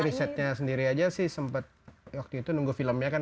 jadi risetnya sendiri aja sih sempat waktu itu nunggu filmnya kan